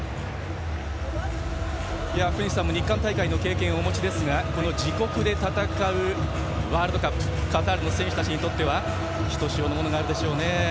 福西さんも日韓大会の経験をお持ちですが自国で戦うワールドカップカタールの選手たちにとってはひとしおのものがあるでしょうね。